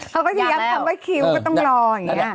เขาก็จะย้ำคำว่าคิวก็ต้องรออย่างนี้